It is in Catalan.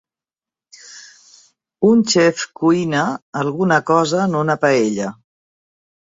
Un xef cuina alguna cosa en una paella.